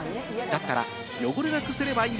だったら汚れなくすればいい。